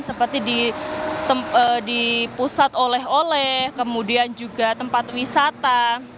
seperti di pusat oleh oleh kemudian juga tempat wisata